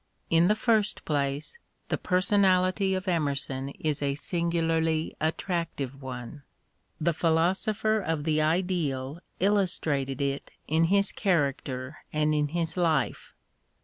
In the first place, the personality of Emerson is a singularly attractive one. The philosopher of the ideal illustrated it in his character and in his life.